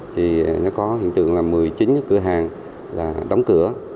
thì nó có hiện tượng là một mươi chín cái cửa hàng là đóng cửa